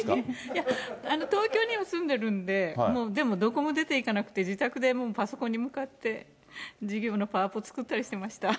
いや、東京に今、住んでるんで、もうでも、どこも出ていかなくて、自宅でもうパソコンに向かって、授業のパワポを作ったりしてました。